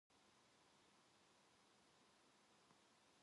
그리고 부득이 만날 일이 있어야 혹간 오곤 하였다.